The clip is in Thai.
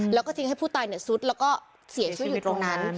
และก็จริงให้ผู้ตายเนี่ยสุดและก็เสียชีวิตอยู่ตรงนั้น